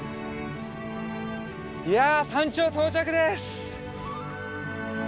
いや山頂到着です！